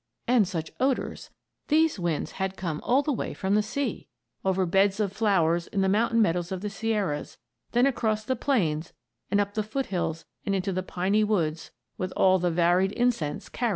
And such odors! These winds had come all the way from the sea, over beds of flowers in the mountain meadows of the Sierras; then across the plains and up the foot hills and into the piny woods "with all the varied incense gathered by the way."